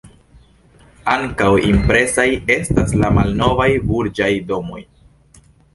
Ankaŭ impresaj estas la malnovaj burĝaj domoj.